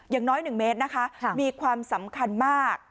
อย่างน้อย๑เมตรนะคะมีความสำคัญมาก